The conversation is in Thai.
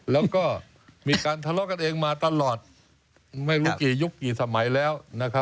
แล้วก็มีการทะเลาะกันเองมาตลอดไม่รู้กี่ยุคกี่สมัยแล้ว